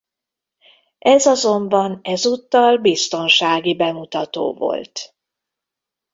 Ez azonban ezúttal biztonsági bemutató volt.